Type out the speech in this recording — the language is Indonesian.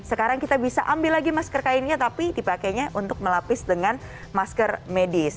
sekarang kita bisa ambil lagi masker kainnya tapi dipakainya untuk melapis dengan masker medis